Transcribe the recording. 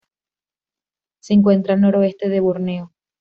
Se encuentra al noroeste de Borneo.